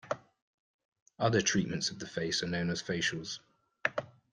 Other treatments of the face are known as facials.